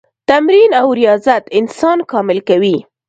تمرین او ریاضت انسان کامل کوي.